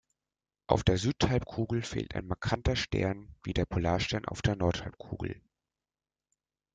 Auf der Südhalbkugel fehlt ein markanter Stern, wie der Polarstern auf der Nordhalbkugel.